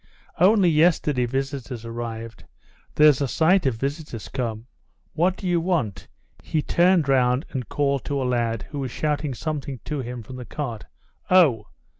"Only yesterday visitors arrived. There's a sight of visitors come. What do you want?" He turned round and called to a lad, who was shouting something to him from the cart. "Oh!